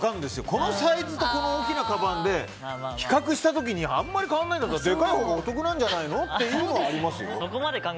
このサイズとこの大きなかばんで比較した時にあまり変わらないとでかいほうがお得なんじゃないの？というのはありますよね。